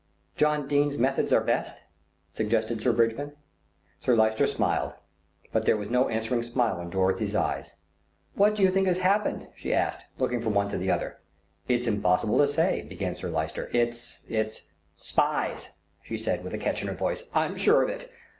"John Dene's methods are best," suggested Sir Bridgman. Sir Lyster smiled; but there was no answering smile in Dorothy's eyes. "What do you think has happened?" she asked, looking from one to the other. "It's impossible to say," began Sir Lyster, "it's it's " "Spies," she said with a catch in her voice. "I'm sure of it.